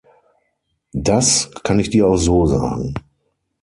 Das kann ich dir auch so sagen.